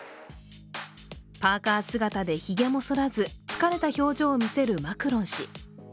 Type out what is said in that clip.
パーカ姿でひげもそらず疲れた表情を見せるマクロン氏。